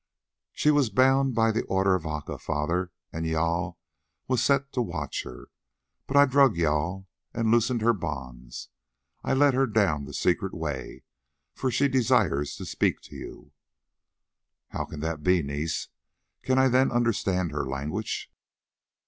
"She was bound by the order of Aca, father, and Jâl was set to watch her; but I drugged Jâl, and loosing her bonds I led her down the secret way, for she desires to speak to you." "How can that be, niece? Can I then understand her language?"